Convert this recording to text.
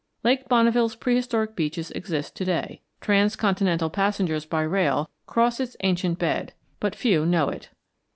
Lake Bonneville's prehistoric beaches exist to day. Transcontinental passengers by rail cross its ancient bed, but few know it.